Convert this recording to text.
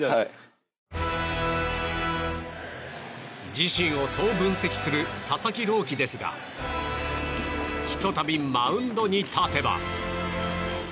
自身をそう分析する佐々木朗希ですがひとたびマウンドに立てば。